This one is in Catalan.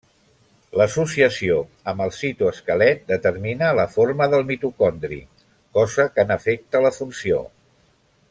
L'associació amb el citoesquelet determina la forma del mitocondri, cosa que n'afecta la funció.